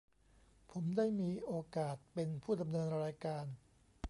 ผมได้มีโอกาสเป็นผู้ดำเนินรายการ